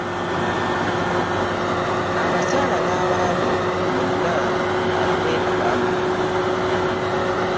Abakyala n'abaami bonna ba kwetabamu.